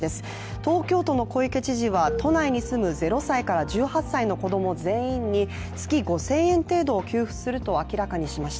東京都の小池知事は、都内に住む０歳から１８歳までの子ども全員に月５０００円程度を給付すると明らかにしました。